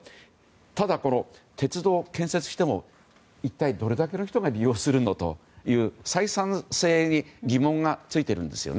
ただ、この鉄道を建設しても一体どれだけの人が利用するのという採算性に疑問がついてるんですよね。